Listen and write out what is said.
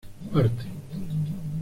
parte